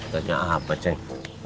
tanya apa ceng